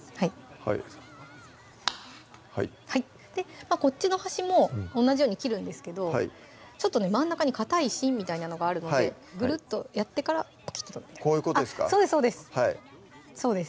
はいこっちの端も同じように切るんですけどちょっと真ん中にかたい芯みたいなのがあるのでぐるっとやってからこういうことですかそうですそうですそうです